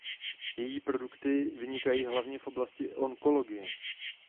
Její produkty vynikají hlavně v oblasti onkologie.